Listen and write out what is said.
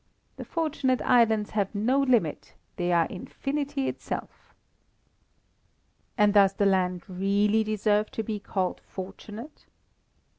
The Fortunate Islands have no limit, they are infinity itself." "And does the land really deserve to be called fortunate?"